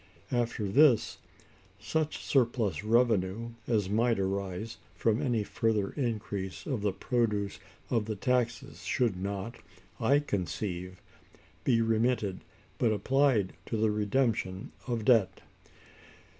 After this, such surplus revenue as might arise from any further increase of the produce of the taxes should not, I conceive, be remitted, but applied to the redemption of debt.